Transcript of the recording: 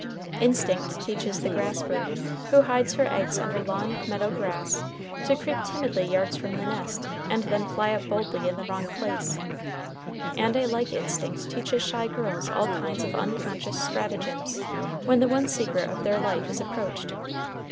Instinct teaches the grass bird, who hides her eggs under long meadow grass, to creep timidly yards from the nest, and then fly up boldly in the wrong place; and a like instinct teaches shy girls all kinds of unconscious stratagems when the one secret of their life is approached.